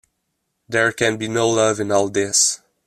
There can be no love in all this.